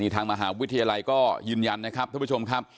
ทางมหาวิทยาลัยก็ยืนยันนะครับท่านผู้ชมครับ